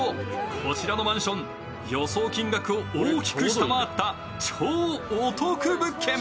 こちらのマンション予想金額を大きく下回った超お得物件